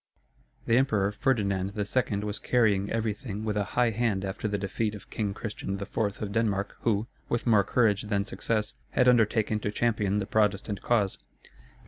The Emperor Ferdinand II. was carrying everything with a high hand after the defeat of King Christian IV. of Denmark, who, with more courage than success, had undertaken to champion the Protestant cause.